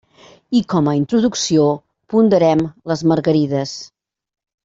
I com a introducció ponderem les margarides.